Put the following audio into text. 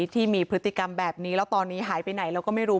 ที่มีพฤติกรรมแบบนี้แล้วตอนนี้หายไปไหนเราก็ไม่รู้